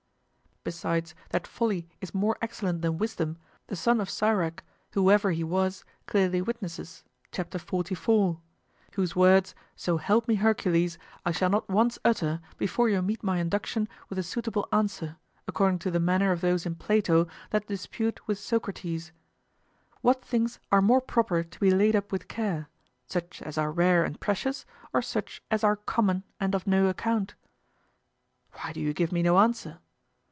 Besides, that folly is more excellent than wisdom the son of Sirach, whoever he was, clearly witnesses, Chapter 44, whose words, so help me, Hercules! I shall not once utter before you meet my induction with a suitable answer, according to the manner of those in Plato that dispute with Socrates. What things are more proper to be laid up with care, such as are rare and precious, or such as are common and of no account? Why do you give me no answer?